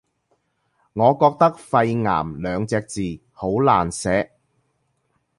我覺得肺癌兩隻字好難寫